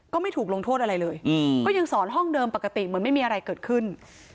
ไม่ถูกลงโทษอะไรเลยก็ยังสอนห้องเดิมปกติเหมือนไม่มีอะไรเกิดขึ้น